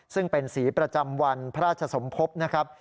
ซึ่งเป็นสีประจำวันพระราชสมภพนะครับ